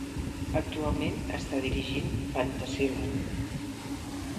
Actualment està dirigint Fantasyland.